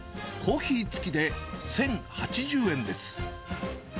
コーヒー付きで１０８０円です。